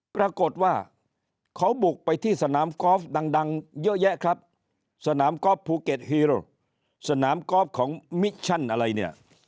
ปรากฏว่าเขาบุกไปที่สนามกอล์ฟดังเยอะแยะครับสนามกอล์ฟภูเก็ตฮีโร่สนามกอล์ฟของมิชชั่นอะไรเนี่ย